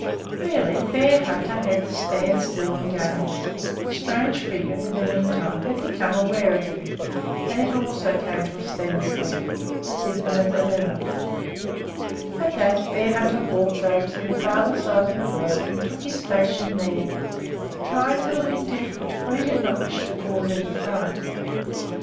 Really, Bearhunter had to stand still and gaze. The strange figure, in the meantime, had become aware of him, and it also came to a standstill, as if in a dilemma. At that, Bearhunter walked over to the farther side of the road and took his station there, trying to look indifferent, for he did not wish to cause any fright.